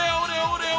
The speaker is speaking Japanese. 俺！